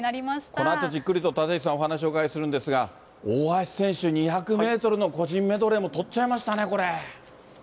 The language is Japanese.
このあとじっくりと立石さん、お話をお伺いするんですが、大橋選手、２００メートルの個人メドレーもとっちゃいましたね、これ。